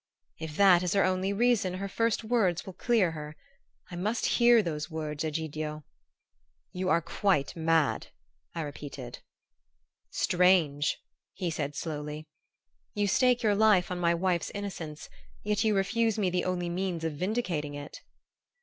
"If that is her only reason her first words will clear her. I must hear those words, Egidio!" "You are quite mad," I repeated. "Strange," he said slowly. "You stake your life on my wife's innocence, yet you refuse me the only means of vindicating it!"